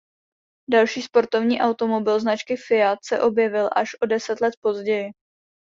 Další sportovní automobil značky Fiat se objevil až o deset let později.